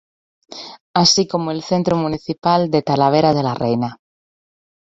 Así como el Centro Municipal de Talavera de la Reina.